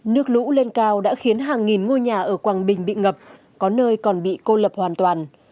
nước lũ lên cao đã khiến hàng nghìn ngôi nhà ở quảng bình bị ngập có nơi còn bị cô lập hoàn toàn